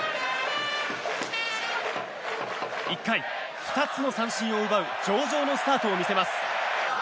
１回、２つの三振を奪う上々のスタートを見せます。